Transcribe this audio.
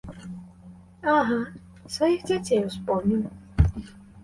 Ага, сваіх дзяцей успомніў!